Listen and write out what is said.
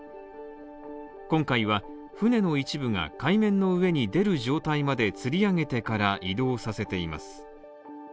今回は船の一部が、海面の上に出る状態までつり上げてから移動させています。